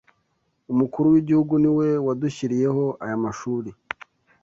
umukuru w’ igihugu niwe wadushyiriyeho aya mashuri